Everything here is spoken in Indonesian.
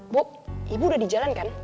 bu ibu udah di jalan kan